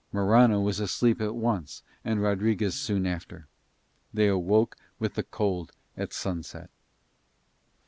Morano was asleep at once and Rodriguez soon after. They awoke with the cold at sunset.